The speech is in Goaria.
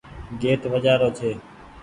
گيٽ وآجرو ڇي۔